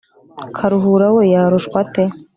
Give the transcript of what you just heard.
Karuhura we yarushwa ate